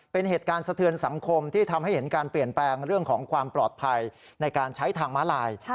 เป็นเหตุการณ์สะเทือนสังคมที่ทำให้เห็นการเปลี่ยนแปลงเรื่องของความปลอดภัยในการใช้ทางม้าลาย